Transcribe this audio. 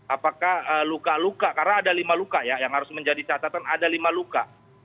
apakah luka luka karena ada lima luka ya yang harus menjadi catatan ada lima luka